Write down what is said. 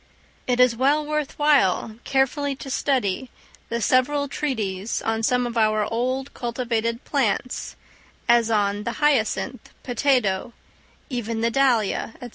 It is well worth while carefully to study the several treatises on some of our old cultivated plants, as on the hyacinth, potato, even the dahlia, &c.